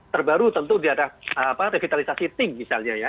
terbaru tentu diarah revitalisasi ting misalnya